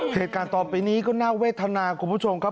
เหตุการณ์ต่อไปนี้ก็น่าเวทนาคุณผู้ชมครับ